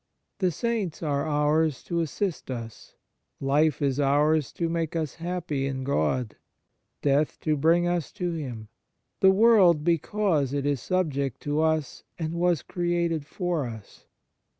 1 The Saints are ours to assist us ; life is ours to make us happy in God ; death to bring us to Him ; the world be cause it is subject to us and was created for us.